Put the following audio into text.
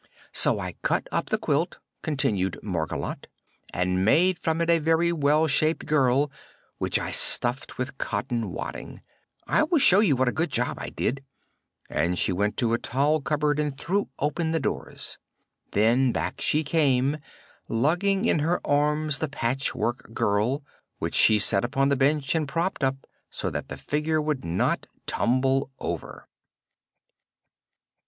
"So I cut up the quilt," continued Margolotte, "and made from it a very well shaped girl, which I stuffed with cotton wadding. I will show you what a good job I did," and she went to a tall cupboard and threw open the doors. Then back she came, lugging in her arms the Patchwork Girl, which she set upon the bench and propped up so that the figure would not tumble over.